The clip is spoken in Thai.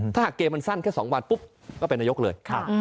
ถ้าเกมสั้นแค่๒วันปุ๊บก็ไปนายกเลย